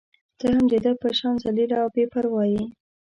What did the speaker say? ته هم د ده په شان ذلیله او بې پرواه يې.